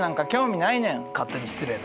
勝手に失礼な。